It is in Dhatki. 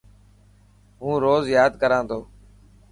هون روز ياد ڪران ٿو.